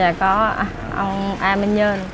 dạ có ông a ma nhiên